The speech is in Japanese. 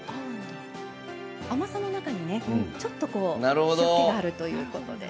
甘さの中にちょっと塩けがあるということで。